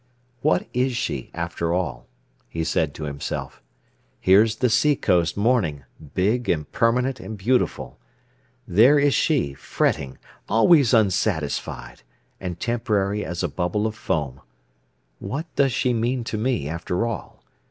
"What is she, after all?" he said to himself. "Here's the seacoast morning, big and permanent and beautiful; there is she, fretting, always unsatisfied, and temporary as a bubble of foam. What does she mean to me, after all?